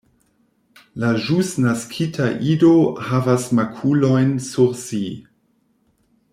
La ĵus naskita ido havas makulojn sur si.